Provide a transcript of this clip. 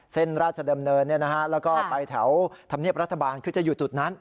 เส้นราชดำเนินแล้วก็ไปแถวธรรมเนียบรัฐบาลคือจะอยู่จุดนั้น